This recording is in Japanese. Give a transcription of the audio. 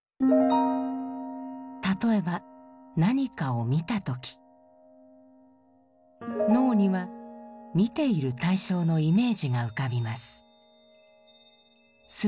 例えば何かを見た時脳には見ている対象のイメージが浮かびます。